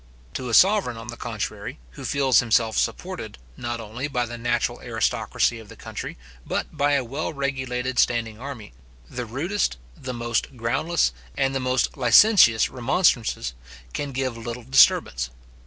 To a sovereign, on the contrary, who feels himself supported, not only by the natural aristocracy of the country, but by a well regulated standing army, the rudest, the most groundless, and the most licentious remonstrances, can give little disturbance.